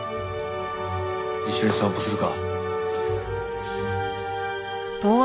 一緒に散歩するか？